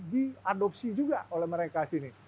diadopsi juga oleh mereka sini